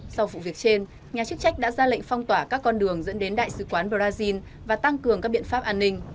sau vụ việc trên nhà chức trách đã ra lệnh phong tỏa các con đường dẫn đến đại sứ quán brazil và tăng cường các biện pháp an ninh